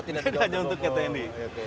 tidak jual untuk tni